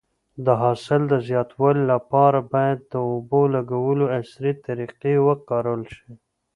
د حاصل د زیاتوالي لپاره باید د اوبو لګولو عصري طریقې وکارول شي.